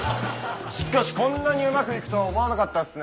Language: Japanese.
しかしこんなにうまくいくとは思わなかったっすね。